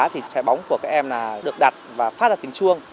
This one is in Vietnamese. thì trái bóng của các em là được đặt và phát ra tiếng chuông